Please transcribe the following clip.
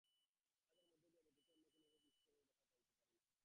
তাঁহাদের মধ্য দিয়া ব্যতীত অন্য কোনরূপে আমরা ঈশ্বরের দেখা পাইতে পারি না।